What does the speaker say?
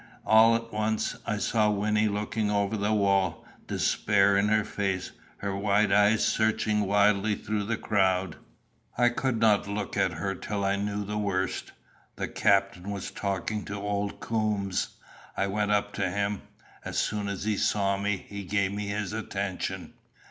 All at once I saw Wynnie looking over the wall, despair in her face, her wide eyes searching wildly through the crowd. I could not look at her till I knew the worst. The captain was talking to old Coombes. I went up to him. As soon as he saw me, he gave me his attention.